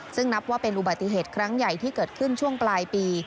ซึ่งนับว่าเป็นอุบัติเหตุครั้งใหญ่ที่เกิดขึ้นช่วงปลายปี